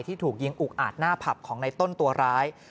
ถูกยิงอุกอาจหน้าผับของในต้นตัวร้าย